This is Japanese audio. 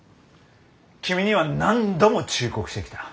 君には何度も忠告してきた。